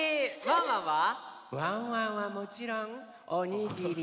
ワンワンはもちろんおにぎり。